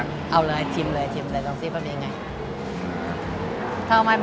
เอาเลยชิมเลยชิมเลยลองซิว่ามันเป็นยังไง